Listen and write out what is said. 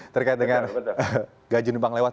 terkait dengan gaji numpang lewat